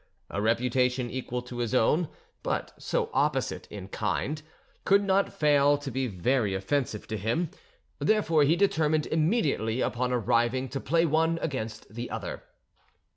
A reputation equal to his own, but so opposite in kind, could not fail to be very offensive to him, therefore he determined immediately upon arriving to play one against the other.